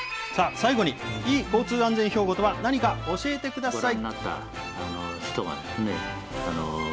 最後に、いい交通安全標語とは何か、教えてください。